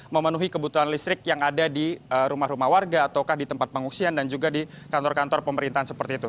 memenuhi kebutuhan listrik yang ada di rumah rumah warga ataukah di tempat pengungsian dan juga di kantor kantor pemerintahan seperti itu